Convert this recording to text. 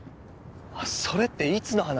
それっていつの話？